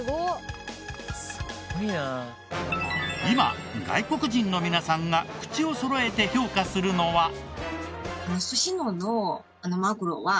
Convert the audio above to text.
今外国人の皆さんが口をそろえて評価するのは。